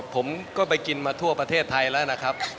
ผมก็ไปกินมาทั่วประเทศไทยแล้วนะครับ